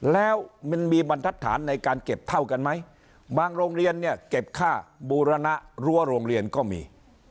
แล้วมันมีบรรทัศน์ในการเก็บเท่ากันไหมบางโรงเรียนเนี่ยเก็บค่าบูรณะรั้วโรงเรียนก็มี